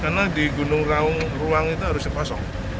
karena di gunung raung ruang itu harus dipasok